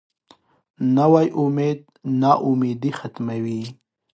نوی امید نا امیدي ختموي